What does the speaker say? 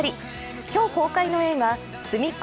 今日公開の映画「すみっコ